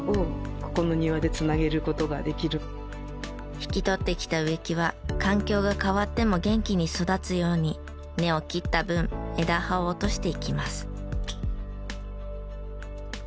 引き取ってきた植木は環境が変わっても元気に育つように根を切った分枝葉を落としていきます。